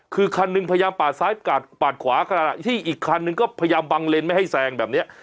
คือคันหนึ่งพยายามปาดซ้ายปาดขวาขณะที่อีกคันนึงก็พยายามบังเลนไม่ให้แซงแบบนี้